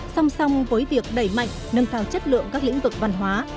xong xong với việc đẩy mạnh nâng cao chất lượng các lĩnh vực văn hóa